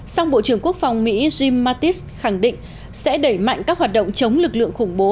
song bộ trưởng quốc phòng mỹ jim mattis khẳng định sẽ đẩy mạnh các hoạt động chống lực lượng khủng bố